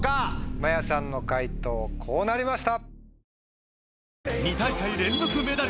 まやさんの解答こうなりました。